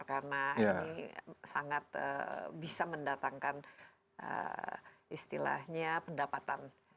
karena ini sangat bisa mendatangkan istilahnya pendapatan